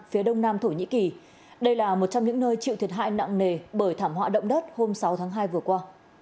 phía đông nam thổ nhĩ kỳ đây là một trong những nơi chịu thiệt hại nặng nề bởi thảm họa động đất hôm sáu tháng hai vừa qua